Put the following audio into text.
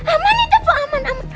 aman ya bu aman